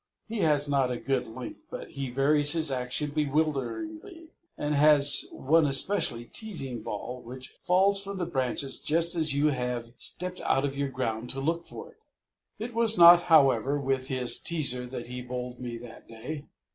He has not a good length, but he varies his action bewilderingly, and has one especially teasing ball which falls from the branches just as you have stepped out of your ground to look for it. It was not, however, with his teaser that he bowled me that day.